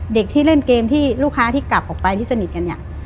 เด็กที่เล่นเกมที่ลูกค้าที่กลับออกไปที่สนิทกันเนี่ย